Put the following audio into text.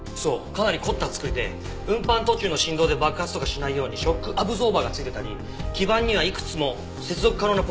かなり凝った作りで運搬途中の振動で爆発とかしないようにショックアブゾーバーが付いてたり基盤にはいくつも接続可能なポートがあるんだよ。